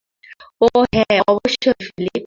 ওহ, হ্যাঁ, অবশ্যই, ফিলিপ।